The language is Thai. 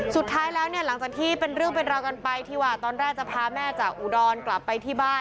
สุดท้ายแล้วเนี่ยหลังจากที่เป็นเรื่องเป็นราวกันไปที่ว่าตอนแรกจะพาแม่จากอุดรกลับไปที่บ้าน